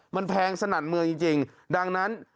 มันแพงสนั่นเมืองจริงดังนั้น